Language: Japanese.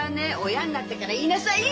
親になってから言いなさいよ！